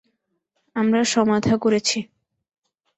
আমরা সমাধা করেছি।